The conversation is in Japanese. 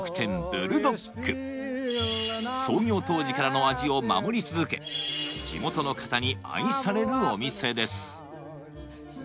ブルドック創業当時からの味を守り続け地元の方に愛されるお店です